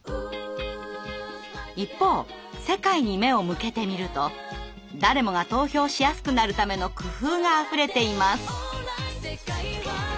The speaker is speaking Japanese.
一方世界に目を向けてみると誰もが投票しやすくなるための工夫があふれています。